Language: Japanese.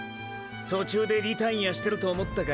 途中でリタイアしてると思ったか？